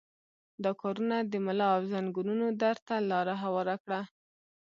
دا کارونه د ملا او زنګنونو درد ته لاره هواره کړه.